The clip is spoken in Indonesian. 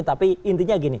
tapi intinya gitu